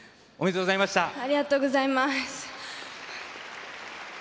ありがとうございます。